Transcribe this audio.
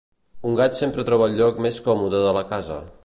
Un gat sempre troba el lloc més còmode de la casa.